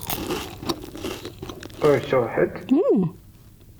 Ur ttuɣ ḥedd?